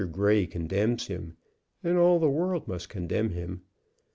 Grey condemns him, and all the world must condemn him.